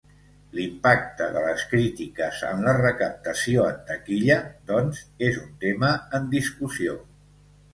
L'impacte de les crítiques en la recaptació en taquilla, doncs, és un tema en discussió.